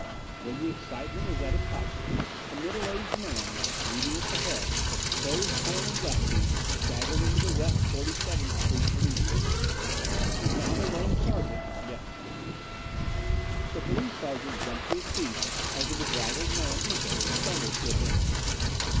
When the excitement was at its height a middle aged man, bleeding at the head, clothes torn and dusty, staggered into the West 47th street police station. He found a lone sergeant at the desk. The police sergeant jumped to his feet as the bedraggled man entered and stumbled to a bench.